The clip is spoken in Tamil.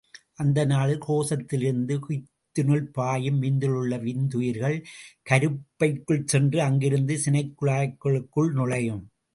அந்த நாளில் கோசத்திலிருந்து குய்யத்தினுள் பாயும் விந்திலுள்ள விந்துயிர்கள் கருப்பைக்குள் சென்று அங்கிருந்து சினைக்குழாய்களுக்குள் நுழையும்.